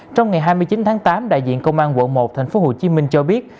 trong ngày hai mươi chín tháng tám đại diện công an quận một tp hcm cho biết